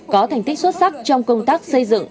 có thành tích xuất sắc trong công tác xây dựng